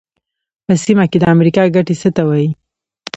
په سیمه کې د امریکا ګټې څه ته وایي.